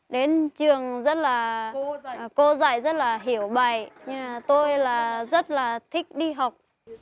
đến trường rất là cô dạy rất là hiểu bài nhưng tôi là rất là thích đi học